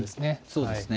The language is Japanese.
そうですね。